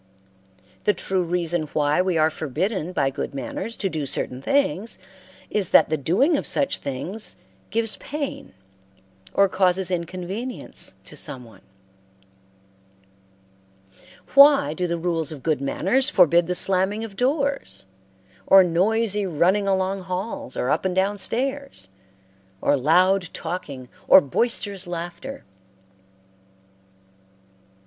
The true reason why we are forbidden by good manners to do certain things is that the doing of such things gives pain or causes inconvenience to some one. Why do the rules of good manners forbid the slamming of doors, or noisy running along halls or up and down stairs, or loud talking or boisterous laughter?